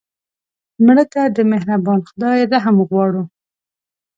مړه ته د مهربان خدای رحم غواړو